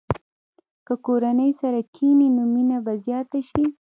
که کورنۍ سره کښېني، نو مینه به زیاته شي.